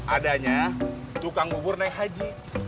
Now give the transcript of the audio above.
adanya tukang bubur naik haji